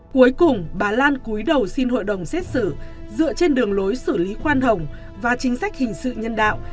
cuối cùng bà lan cúi đầu xin hội đồng xét xử dựa trên đường lối xử lý khoan hồng và chính sách hình sự nhân đạo